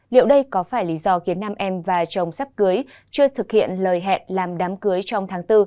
liệu đây có phải lý do khiến nam em và chồng sắp cưới chưa thực hiện lời hẹn làm đám cưới trong tháng bốn